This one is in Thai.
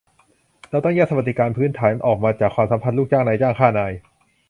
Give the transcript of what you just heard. เราต้องแยกสวัสดิการพื้นฐาน ออกมาจากความสัมพันธ์ลูกจ้าง-นายจ้าง ข้า-นาย